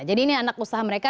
jadi ini anak usaha mereka